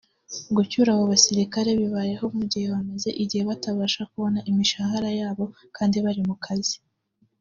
Gucyura abo basirikare bibayeho mu gihe bamaze igihe batabasha kubona imishahara yabo kandi bari mu kazi